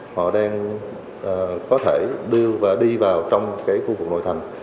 họ đang có thể đi vào trong cái khu vực nội thành